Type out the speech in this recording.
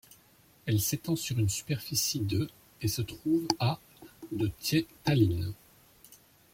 Elle s’étend sur une superficie de et se trouve à de Tallinn.